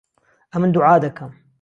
ئهمن دوعا دهکهم